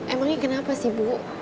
emangnya kenapa sih bu